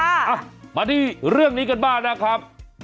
อ่ะมาที่เรื่องนี้กันบ้างนะครับ